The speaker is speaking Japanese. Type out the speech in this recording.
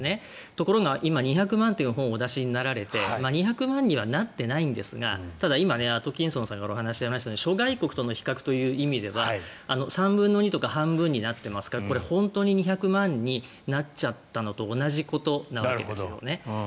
ところが今２００万円という本をお出しになられて２００万円にはなっていないんですがただ今、アトキンソンさんがお話があったように諸外国の比較という意味では半分とか３分の２になってますから本当に２００万になっちゃったのと同じことなわけですよね。